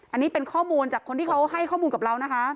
อันนี้เป็นข้อมูลจากคนที่เขาให้ข้อมูลกับเรานะคะ